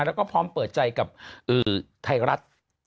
แล้วก็พร้อมเปิดใจกับไทยรัฐ